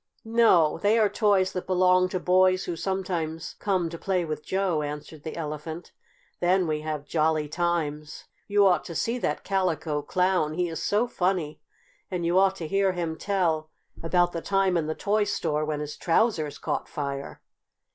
"No; they are toys that belong to boys who sometimes come to play with Joe," answered the Elephant. "Then we have jolly times! You ought to see that Calico Clown! He is so funny! And you ought to hear him tell about the time in the toy store when his trousers caught fire!"